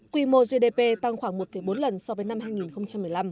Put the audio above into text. quy mô gdp tăng khoảng một bốn lần so với năm hai nghìn một mươi năm